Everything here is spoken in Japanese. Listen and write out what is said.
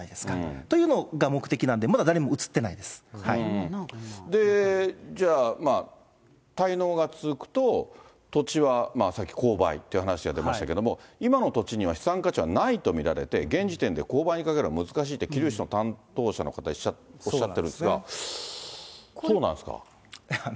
というのも目的なので、じゃあ、滞納が続くと、土地はさっき、公売という話が出ましたけれども、今の土地には資産価値はないと見られて、現時点で公売にかけるのは難しいって、桐生市の担当者の方、おっしゃってるんですが、そうなんですか。